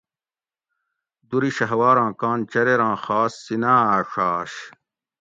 دُر شھوار آں کان چریراں خاص سیناۤ اۤ ڛاش